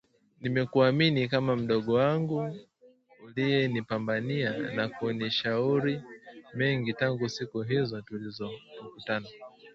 Nimekuamini kama mdogo wangu uliyenipambania na kunishauri mengi tangu siku hizo tulipokutana